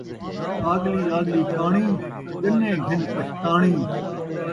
آڳلی آڳلی کاݨی، ڳنے گھن پچھتاݨی